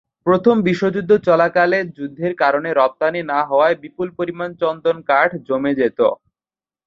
প্রথম বিশ্বযুদ্ধ চলাকালে যুদ্ধের কারণে রপ্তানি না-হওয়ায় বিপুল পরিমাণ চন্দন কাঠ জমে যেত।